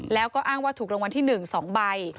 แล้วก็อ้างว่าถูกรางวัลที่๑๒ใบ